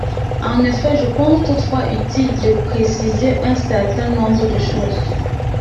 En effet ! Je pense toutefois utile de préciser un certain nombre de choses.